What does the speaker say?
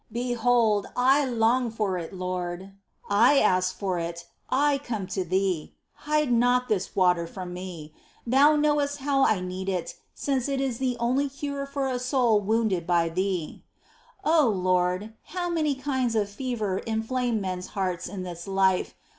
Behold, I long for it, Lord ; I ask for it, I come to Thee ! Hide not this water from me : Thou knowest how I need it, since it is the only cure for a soul wounded by Thee. 5. O Lord, how many kinds of fever inflame men's hearts in this life